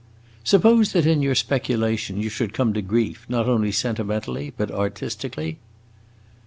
"Suppose that in your speculation you should come to grief, not only sentimentally but artistically?"